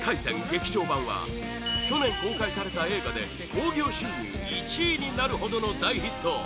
劇場版は去年公開された映画で興行収入１位になるほどの大ヒット！